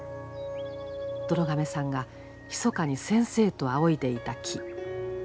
どろ亀さんがひそかに先生と仰いでいた木。